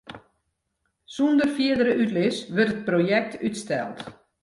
Sûnder fierdere útlis wurdt it projekt útsteld.